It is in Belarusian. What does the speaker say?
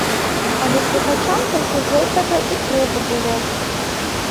Але слухачам толькі гэтага і трэба было.